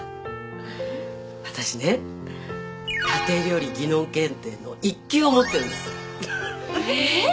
私ね家庭料理技能検定の１級を持ってるんですええっ！